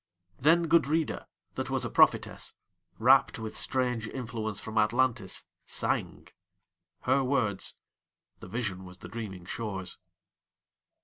Then Gudrida, that was a prophetess, Rapt with strange influence from Atlantis, sang:Her words: the vision was the dreaming shore's.